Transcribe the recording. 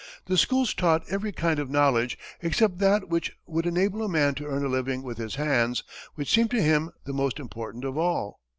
The schools taught every kind of knowledge except that which would enable a man to earn a living with his hands, which seemed to him the most important of all.